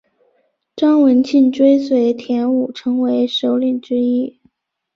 张文庆追随田五成为首领之一。